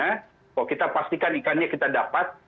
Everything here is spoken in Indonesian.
kalau kita pastikan ikannya kita dapat